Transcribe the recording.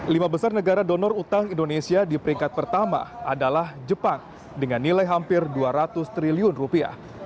lima besar negara donor utang indonesia di peringkat pertama adalah jepang dengan nilai hampir dua ratus triliun rupiah